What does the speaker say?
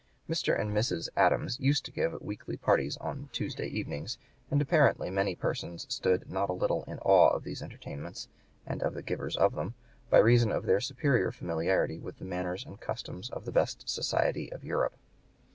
Mr. and Mrs. Adams used to give weekly parties on Tuesday evenings, and apparently many persons stood not a little in awe of these entertainments and of the givers of them, by reason of their superior familiarity with the manners and customs of the best society of Europe.